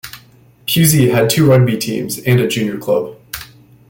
Pewsey has two rugby teams and a junior club.